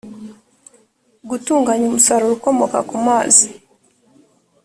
gutunganya umusaruro ukomoka ku mazi